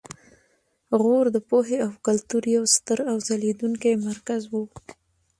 غور د پوهې او کلتور یو ستر او ځلیدونکی مرکز و